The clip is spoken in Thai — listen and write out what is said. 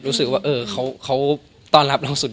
รู้สึกว่าเขาต้อนรับเราสุด